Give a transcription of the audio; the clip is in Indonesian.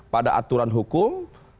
pada aturan hukum